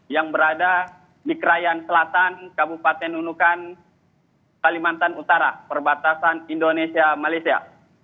yang berada di krayan selatan kabupaten nunukan kalimantan utara perbatasan indonesia malaysia